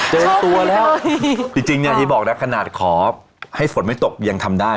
เจอตัวแล้วจริงเนี่ยที่บอกนะขนาดขอให้ฝนไม่ตกยังทำได้